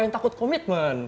yang takut komitmen